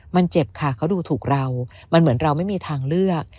มันเจ็บค่ะเขาดูถูกเรามันเหมือนเราไม่มีทางเลือก